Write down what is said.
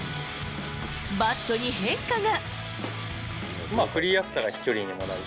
バットに変化が。